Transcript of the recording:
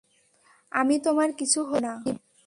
আমি তোমার কিছু হতে দিব না।